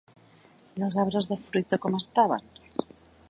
I els arbres de fruita com estaven?